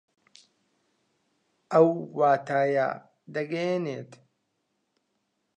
ئەو واتایە دەگەیەنێت